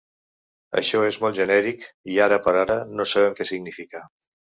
Això és molt genèric i, ara per ara, no sabem què significa.